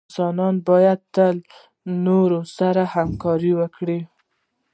انسانان باید تل دنورو سره همکار اوسې